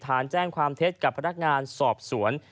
แจ้งความเท็จกับพนักงานสอบสวน